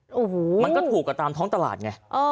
โอ้โหมันก็ถูกกว่าตามท้องตลาดไง